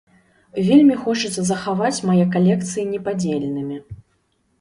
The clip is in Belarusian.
Вельмі хочацца захаваць мае калекцыі непадзельнымі.